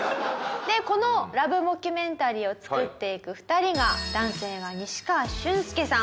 でこのラブ・モキュメンタリーを作っていく２人が男性は西川俊介さん。